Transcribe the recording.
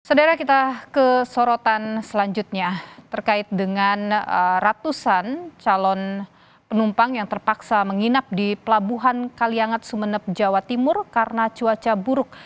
saudara kita ke sorotan selanjutnya terkait dengan ratusan calon penumpang yang terpaksa menginap di pelabuhan kaliangat sumeneb jawa timur karena cuaca buruk